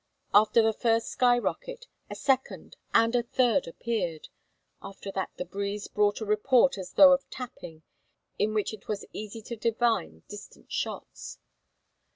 After the first sky rocket, a second and third appeared. After that the breeze brought a report as though of tapping, in which it was easy to divine distant shots.